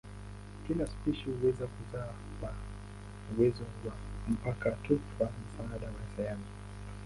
Kila spishi huweza kuzaa tu kwa uwezo wao mpaka tu kwa msaada wa sayansi.